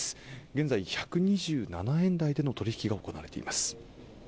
現在、１２７円台での取り引きが行われています。